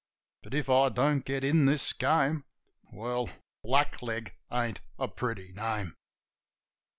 But if I don't get in this game, Well, "blackleg" ain't a pretty name.